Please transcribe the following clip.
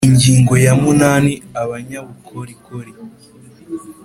Ingingo ya munani Abanyabukorikori